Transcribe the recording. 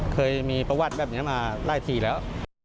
เคยมีประวัติแบบนี้มาหลายทีแล้ว